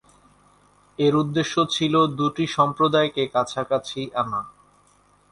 এর উদ্দেশ্য ছিল দুটি সম্প্রদায়কে কাছাকাছি আনা।